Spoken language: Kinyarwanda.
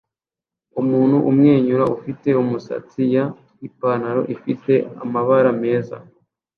Umuntu umwenyura ufite imisatsi ya Ipanaro ifite amabara meza